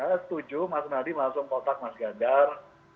saya setuju mas nadi masuk kotak mas ganjar